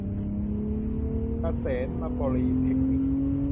เกษมโปลีเทคนิค